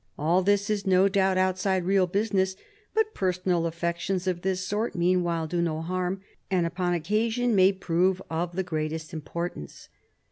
All this is no doubt outside real business, but personal affections of this sort meanwhile do no harm, and upon occasion may prove of the greatest importance."